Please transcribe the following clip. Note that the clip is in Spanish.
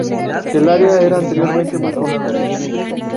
El área era anteriormente muy pobladas.